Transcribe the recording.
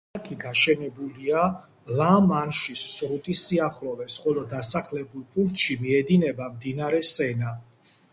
ქალაქი გაშენებულია ლა-მანშის სრუტის სიახლოვეს, ხოლო დასახლებულ პუნქტში მიედინება მდინარე სენა.